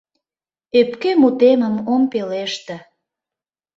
Öпке мутемым ом пелеште –